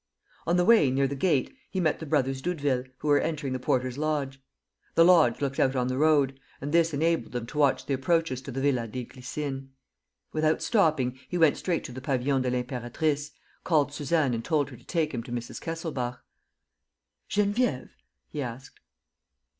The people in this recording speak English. On the way, near the gate, he met the brothers Doudeville, who were entering the porter's lodge. The lodge looked out on the road; and this enabled them to watch the approaches to the Villa des Glycines. Without stopping, he went straight to the Pavillon de l'Impératrice, called Suzanne and told her to take him to Mrs. Kesselbach. "Geneviève?" he asked.